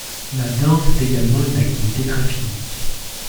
La danse est également une activité très physique.